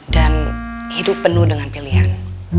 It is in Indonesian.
dan hidup penuh dengan pilihan